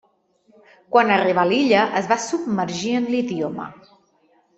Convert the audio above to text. Quan arribà a l'illa es va submergir en l'idioma.